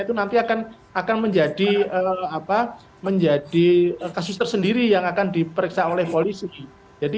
itu nanti akan akan menjadi apa menjadi kasus tersendiri yang akan diperiksa oleh polisi